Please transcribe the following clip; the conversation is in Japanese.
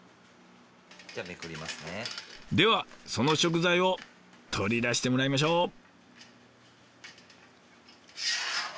ではその食材を取り出してもらいましょう。